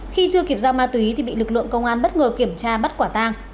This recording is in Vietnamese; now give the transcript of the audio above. khi chưa kịp giao ma túy thì bị lực lượng công an bất ngờ kiểm tra bắt quả tang